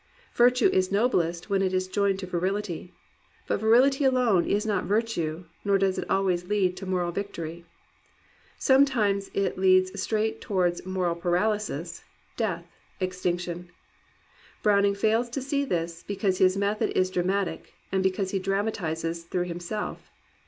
Virtue is noblest when it is joined to virihty. But virility alone is not virtue nor does it always lead to moral victory. Sometimes it leads straight towards moral paralysis, death, extinction. Browning fails to see this, because his method is dramatic and because he dramatizes through himself.